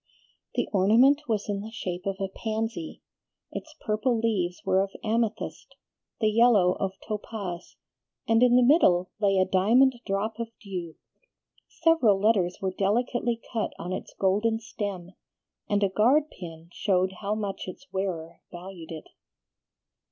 The ornament was in the shape of a pansy; its purple leaves were of amethyst, the yellow of topaz, and in the middle lay a diamond drop of dew. Several letters were delicately cut on its golden stem, and a guard pin showed how much its wearer valued it.